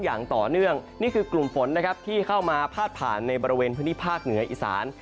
อย่างต่อเนื่องนี่คือกลุ่มฝนนะครับที่เข้ามาพาดผ่านในบริเวณพื้นที่ภาคเหนืออีสาน